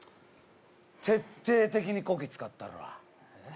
徹底的にこき使ったるわえっ？